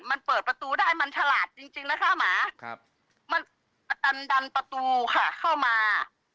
มันเปิดประตูได้มันฉลาดจริงนะคะหมามันดันดันประตูค่ะเข้ามา